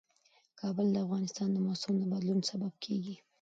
کابل د افغانستان د موسم د بدلون سبب کېږي.